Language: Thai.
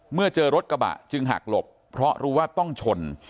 เมื่อเจอรถกระบะจึงหักหลบเพราะรู้ว่าต้องชน